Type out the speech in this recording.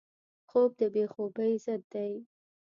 خوب د بې خوبۍ ضد دی